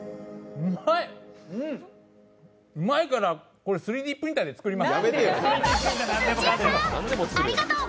うまいからこれ３Ｄプリンターで作ります。